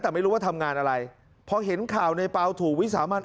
แต่ไม่รู้ว่าทำงานอะไรพอเห็นข่าวในเปล่าถูกวิสามัน